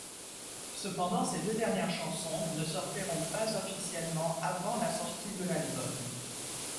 Cependant ces deux dernières chansons ne sortiront pas officiellement avant la sortie de l'album.